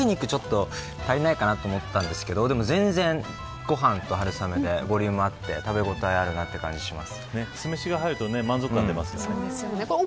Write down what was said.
だから、薄切り肉少し足りないかなと思ったんですけどでも全然、ご飯と春雨でボリュームがあって食べごたえあるなという感じがします。